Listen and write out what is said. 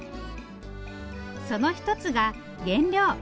その一つが原料。